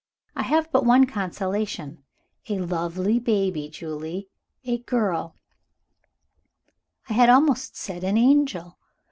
I have but one consolation a lovely baby, Julie, a girl: I had almost said an angel.